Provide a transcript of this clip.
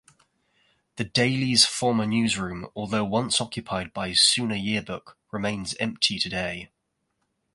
The Daily's former newsroom, although once occupied by Sooner Yearbook, remains empty today.